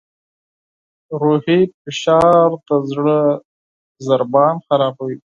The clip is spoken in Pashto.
روحي فشار د زړه ضربان خرابوي.